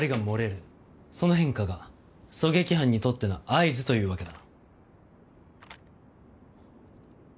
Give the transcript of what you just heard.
その変化が狙撃犯にとっての合図というわけだ。